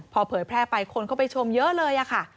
พอเผยแพร่ไปคนเข้าไปชมเยอะเลยค่ะ